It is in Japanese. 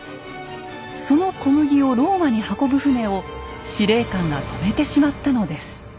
その小麦をローマに運ぶ船を司令官が止めてしまったのです。